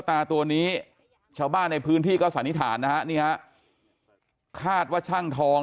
ตาตัวนี้ชาวบ้านในพื้นที่ก็สันนิษฐานนะฮะนี่ฮะคาดว่าช่างทอง